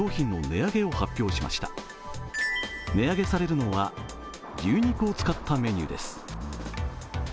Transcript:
値上げされるのは牛肉を使ったメニューです。